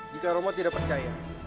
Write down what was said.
jika romo tidak percaya